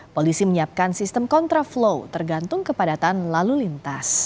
polisi menyiapkan sistem kontraflow tergantung kepadatan lalu lintas